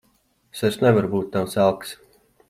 Es vairs nevaru būt tavs elks.